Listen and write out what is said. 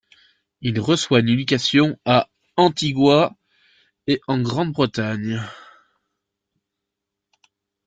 Il reçoit une éducation à Antigua et en Grande-Bretagne.